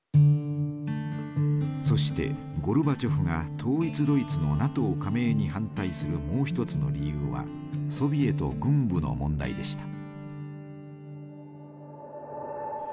そしてゴルバチョフが統一ドイツのＮＡＴＯ加盟に反対するもう一つの理由はソビエト軍部の問題でした。